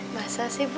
masa sih bu